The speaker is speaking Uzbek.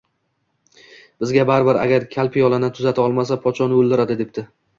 Bizga baribir, agar kal piyolani tuzata olmasa, podsho uni o‘ldiradi, debdi